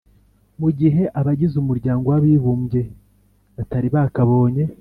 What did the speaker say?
mu gihe abagize umuryango w'abibumbye batari bakabonye